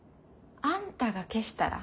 あんたが消したら。